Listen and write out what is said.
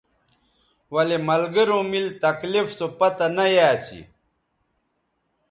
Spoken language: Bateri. ولے ملگروں میل تکلیف سو پتہ نہ یا اسی